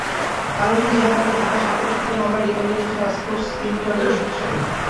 হারুন ইজাহারকে ঢাকার শাপলা চত্বরের মামলায় রিমান্ডে নিয়েছে টাস্কফোর্স ইন্টারগেশন শেল।